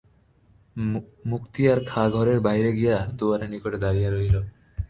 মুক্তিয়ার খাঁ ঘরের বাহিরে গিয়া দুয়ারের নিকট দাঁড়াইয়া রহিল।